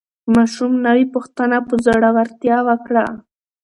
ماشوم نوې پوښتنه په زړورتیا وکړه